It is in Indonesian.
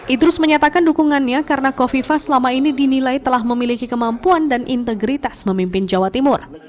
idrus menyatakan dukungannya karena kofifah selama ini dinilai telah memiliki kemampuan dan integritas memimpin jawa timur